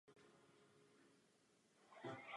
Toto album bylo vydáno pouze v Severní Americe.